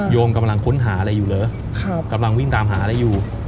มกำลังค้นหาอะไรอยู่เหรอกำลังวิ่งตามหาอะไรอยู่